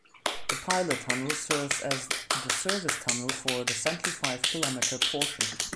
The pilot tunnel serves as the service tunnel for the central five-kilometre portion.